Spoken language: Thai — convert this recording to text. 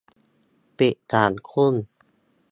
ปิดสามทุ่ม